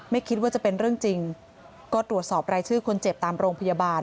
ไม่คิดว่าจะเป็นเรื่องจริงก็ตรวจสอบรายชื่อคนเจ็บตามโรงพยาบาล